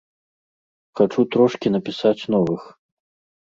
Хачу трошкі напісаць новых.